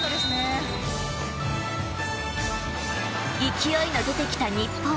勢いの出てきた日本。